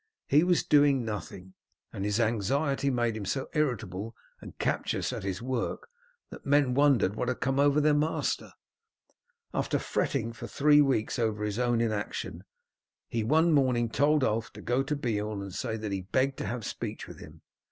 He was doing nothing, and his anxiety made him so irritable and captious at his work that his men wondered what had come over their master. After fretting for three weeks over his own inaction, he one morning told Ulf to go to Beorn and say that he begged to have speech with him.